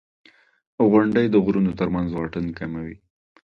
• غونډۍ د غرونو تر منځ واټن کموي.